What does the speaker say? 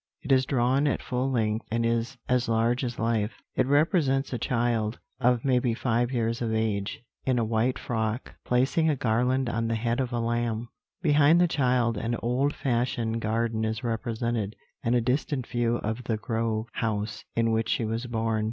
It is drawn at full length, and is as large as life. It represents a child, of maybe five years of age, in a white frock, placing a garland on the head of a lamb; behind the child, an old fashioned garden is represented, and a distant view of The Grove house in which she was born."